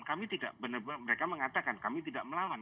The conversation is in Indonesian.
kami tidak benar benar mereka mengatakan kami tidak melawan